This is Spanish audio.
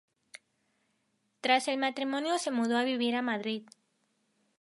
Tras el matrimonio se mudó a vivir a Madrid.